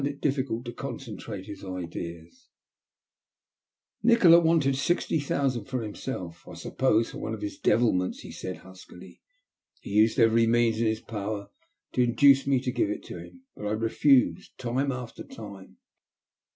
it difficult to conoen ideas. 974 THE LUST OF HATE. ''Nikola wanted sixty thousand for himself, I suppose for one of his devilments/' he said, huskily. '' He used every means in his power to induce me to give it to him, but I refused time after time.